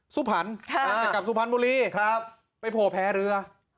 ซุภัณฐ์จะกลับซุภัณฐ์บุรีไปโผล่แพ้เรือ